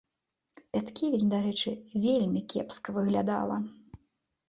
Пяткевіч, дарэчы, вельмі кепска выглядала.